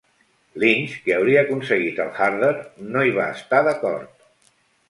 Lynch, que hauria aconseguit el "Harder", no hi va estar d'acord.